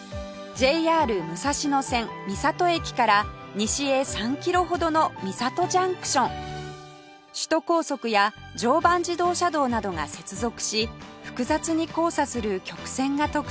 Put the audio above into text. ＪＲ 武蔵野線三郷駅から西へ３キロほどの三郷ジャンクション首都高速や常磐自動車道などが接続し複雑に交差する曲線が特徴です